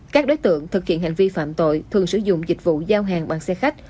các đối tượng thực hiện hành vi phạm tội thường sử dụng dịch vụ giao hàng bằng xe khách